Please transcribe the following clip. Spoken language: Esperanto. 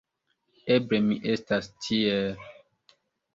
Eble mi estas tiel.